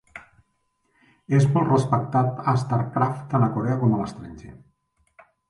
És molt respectat a StarCraft tant a Corea com a l'estranger.